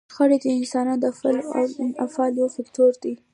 شخړه د انسانانو د فعل او انفعال یو فکتور دی.